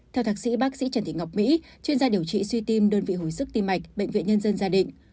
theo thạc sĩ bác sĩ trần thị ngọc mỹ chuyên gia điều trị suy tim đơn vị hồi sức tim mạch bệnh viện nhân dân gia định